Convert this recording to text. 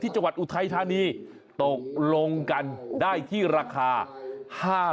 จังหวัดอุทัยธานีตกลงกันได้ที่ราคา๕๐๐บาท